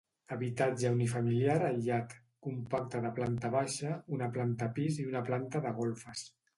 Habitatge unifamiliar aïllat, compacte de planta baixa, una planta pis i una planta de golfes.